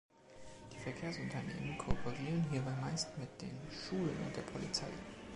Die Verkehrsunternehmen kooperieren hierbei meist mit den Schulen und der Polizei.